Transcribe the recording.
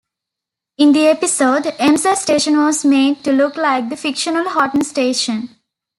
In the episode, Embsay station was made to look like the fictional Hotten station.